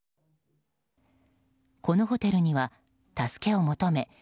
このホテルには、助けを求め